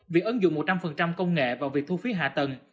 việc ứng dụng một trăm linh công nghệ vào việc thu phí hạ tầng